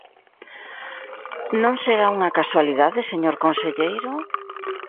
¿Non será unha casualidade, señor conselleiro?